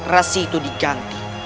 nersi itu diganti